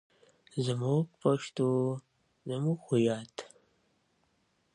خلګ د فیل د پښو نښو ته حیران سول.